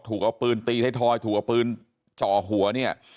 ถูกเอาปืนตีไทยทอยถูกเอาปืนจ่อหัวเนี่ย